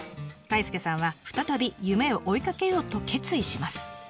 太亮さんは再び夢を追いかけようと決意します。